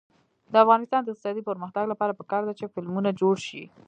د افغانستان د اقتصادي پرمختګ لپاره پکار ده چې فلمونه جوړ شي.